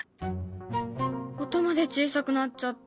音まで小さくなっちゃった。